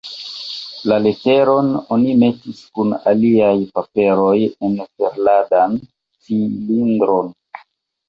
La leteron oni metis kun aliaj paperoj en ferladan cilindron.